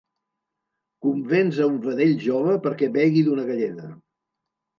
Convenç a un vedell jove perquè begui d'una galleda.